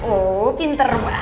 oh pinter banget sih